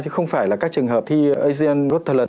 chứ không phải là các trường hợp thi asian got talent